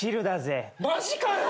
マジかよ！